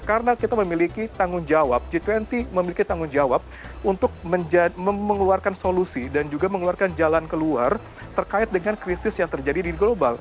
karena kita memiliki tanggung jawab g dua puluh memiliki tanggung jawab untuk mengeluarkan solusi dan juga mengeluarkan jalan keluar terkait dengan krisis yang terjadi di global